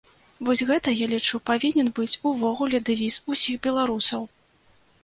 Вось гэта, я лічу, павінен быць увогуле дэвіз усіх беларусаў.